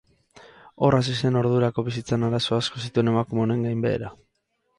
Hor hasi zen ordurako bizitzan arazo asko zituen emakume honen gainbehera.